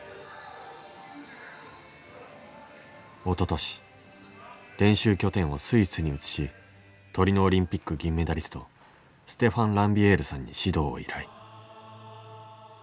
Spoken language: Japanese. おととし練習拠点をスイスに移しトリノオリンピック銀メダリストステファン・ランビエールさんに指導を依頼。